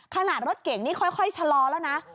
รถเก่งนี่ค่อยชะลอแล้วนะ